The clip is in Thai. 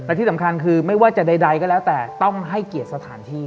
และที่สำคัญคือไม่ว่าจะใดก็แล้วแต่ต้องให้เกียรติสถานที่